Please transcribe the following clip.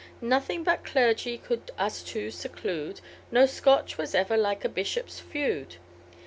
Nothing but clergy could us two seclude, No Scotch was ever like a bishop's feud.